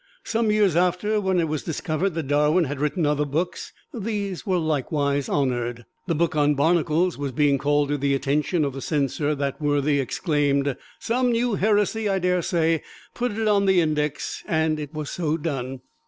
Some years after, when it was discovered that Darwin had written other books, these were likewise honored. The book on barnacles being called to the attention of the Censor, that worthy exclaimed, "Some new heresy, I dare say put it on the 'Index!'" And it was so done.